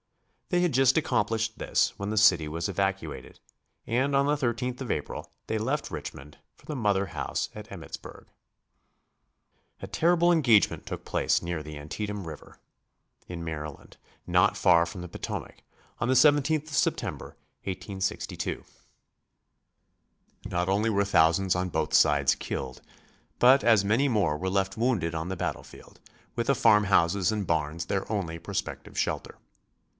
They had just accomplished this when the city was evacuated, and on the 13th of April they left Richmond for the Mother House at Emmittsburg. [Illustration: BATTLE OF ANTIETAM.] A terrible engagement took place near the Antietam River, in Maryland, not far from the Potomac, on the 17th of September, 1862. Not only were thousands on both sides killed, but as many more were left wounded on the battlefield, with the farmhouses and barns their only prospective shelter.